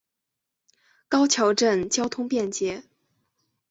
高桥镇交通便捷。